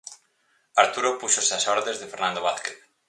Arturo púxose ás ordes de Fernando Vázquez.